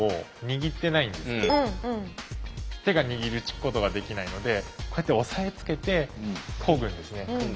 手が握ることができないのでこうやって押さえつけてこぐんですね。